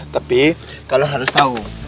tapi kalian harus tahu